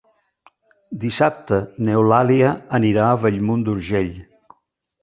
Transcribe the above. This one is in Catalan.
Dissabte n'Eulàlia anirà a Bellmunt d'Urgell.